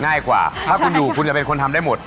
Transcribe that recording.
ง่ายกว่าถ้าคุณอยู่คุณจะเป็นคนทำได้หมด